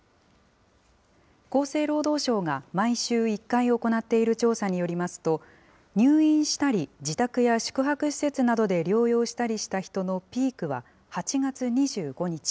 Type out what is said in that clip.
厚生労働省が毎週１回行っている調査によりますと、入院したり、自宅や宿泊施設などで療養したりした人のピークは８月２５日。